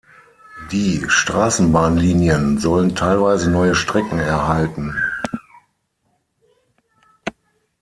Die Straßenbahnlinien sollen teilweise neue Strecken erhalten.